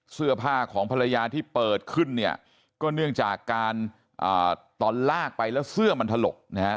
เสื้อผ้าของภรรยาที่เปิดขึ้นเนี่ยก็เนื่องจากการตอนลากไปแล้วเสื้อมันถลกนะฮะ